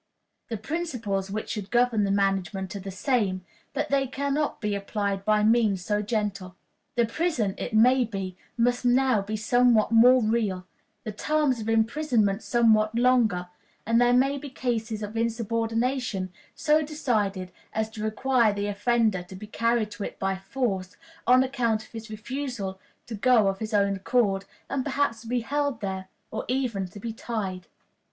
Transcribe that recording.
The principles which should govern the management are the same, but they can not be applied by means so gentle. The prison, it may be, must now be somewhat more real, the terms of imprisonment somewhat longer, and there may be cases of insubordination so decided as to require the offender to be carried to it by force, on account of his refusal to go of his own accord, and perhaps to be held there, or even to be tied.